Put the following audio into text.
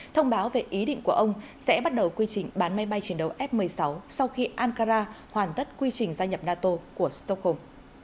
thông báo về ý định của ông sẽ bắt đầu quy trình bán máy bay chiến đấu f một mươi sáu sau khi ankara hoàn tất quy trình gia nhập nato của stockholm